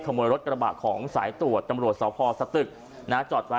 ขโมยรถกระบะของสายตรวจตำรวจสาวพอร์สตึกนะฮะ